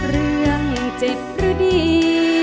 เรื่องเจ็บหรือดี